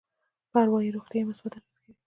په اروایي روغتيا يې مثبت اغېز کوي.